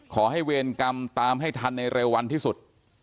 เวรกรรมตามให้ทันในเร็ววันที่สุด